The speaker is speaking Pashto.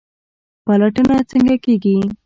پلټنه څنګه کیږي؟